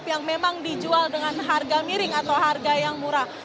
yang memang dijual dengan harga miring atau harga yang murah